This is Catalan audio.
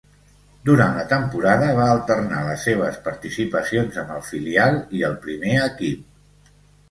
Durant la temporada va alternar les seves participacions amb el filial i el primer equip.